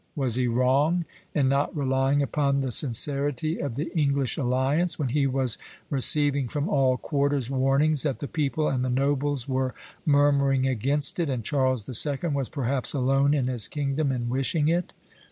Was he wrong in not relying upon the sincerity of the English alliance, when he was receiving from all quarters warnings that the people and the nobles were murmuring against it, and Charles II. was perhaps alone in his kingdom in wishing it?"